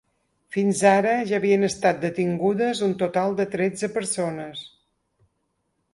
Fins ara ja havien estat detingudes un total de tretze persones.